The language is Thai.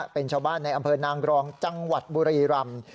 เป็นชาวบ้านในอำเภอนางรองจังหวัดบุรีรำ